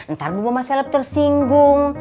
ntar bu mama selep tersinggung